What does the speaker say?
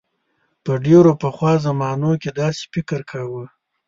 په ډیرو پخوا زمانو کې داسې فکر کاؤ.